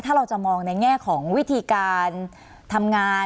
ถ้าเราจะมองในแง่ของวิธีการทำงาน